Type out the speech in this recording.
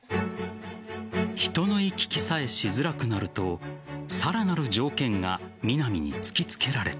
人の行き来さえしづらくなるとさらなる条件が南に突きつけられた。